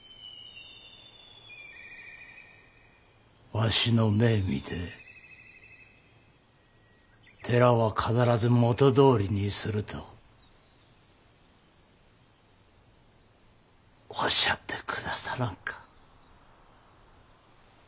わしの目見て寺は必ず元どおりにするとおっしゃってくださらんか。